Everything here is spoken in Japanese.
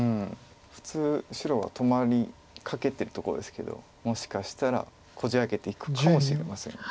普通白は止まりかけてるところですけどもしかしたらこじ開けていくかもしれません。